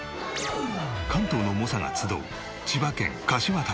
関東の猛者が集う千葉県かしわ大会。